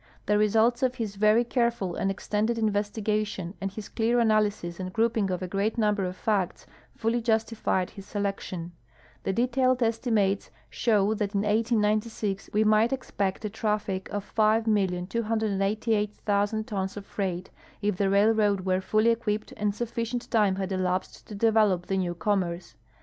The results of his very careful and ex tended investigation and his clear analysis and groujnng of a great number of facts fully justified his selection. The detailed estimates show that in 1896 we might expect a traffic of 5,288,000 tons of freight, if the railroad Avere fully equipped and sufficient time had elai)sed to develop the ncAV commerce.